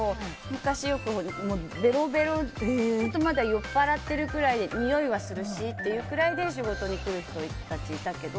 昔よく、ベロベロでちょっとまだ酔っぱらってるくらいにおいするくらいで仕事に来る人たちいたけど。